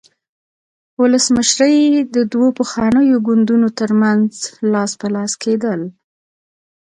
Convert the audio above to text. ولسمشري د دوو پخوانیو ګوندونو ترمنځ لاس په لاس کېدل.